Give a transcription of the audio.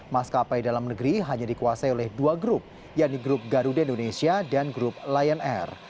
maskapai dalam negeri hanya dikuasai oleh dua grup yaitu grup garuda indonesia dan grup lion air